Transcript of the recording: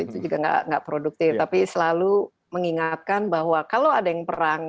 itu juga tidak produktif tapi selalu mengingatkan bahwa kalau ada yang perang